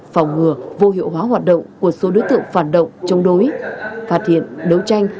phòng ngừa vô hiệu hóa hoạt động của số đối tượng phản động chống đối phát hiện đấu tranh